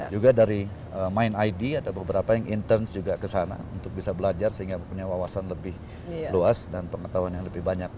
juga dari mind id ada beberapa yang intens juga ke sana untuk bisa belajar sehingga punya wawasan lebih luas dan pengetahuan yang lebih banyak